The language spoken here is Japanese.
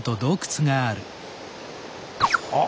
あっ。